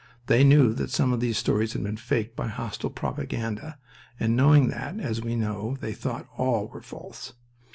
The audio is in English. They knew that some of these stories had been faked by hostile propaganda, and, knowing that, as we know, they thought all were false.